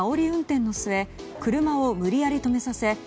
運転の末車を無理やり止めさせ